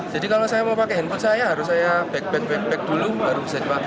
jadi kalau saya mau pakai handphone saya harus saya back back dulu baru bisa dipakai